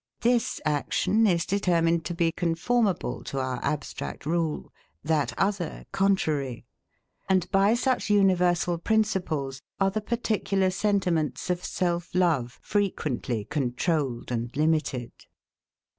This action is determined to be conformable to our abstract rule; that other, contrary. And by such universal principles are the particular sentiments of self love frequently controlled and limited.